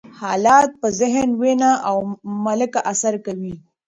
حالات په ذهن، وینه او ملکه اثر کوي.